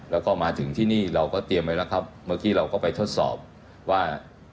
แล้วก็มาถึงที่นี่เราก็เตรียมไว้แล้วครับเมื่อกี้เราก็ไปทดสอบว่า